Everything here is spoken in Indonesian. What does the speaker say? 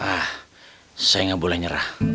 ah saya nggak boleh nyerah